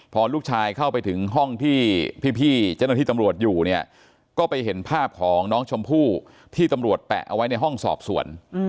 พอลูกชายเข้าไปถึงห้องที่พี่เจ้าหน้าที่ตำรวจอยู่เนี่ยก็ไปเห็นภาพของน้องชมพู่ที่ตำรวจแปะเอาไว้ในห้องสอบสวน